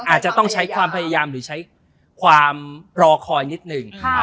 อาจจะต้องใช้ความพยายามหรือใช้ความรอคอยนิดหนึ่ง